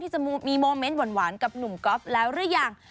จะมีโมเมนต์หวานกับหนุ่มก๊อฟแล้วหรือยัง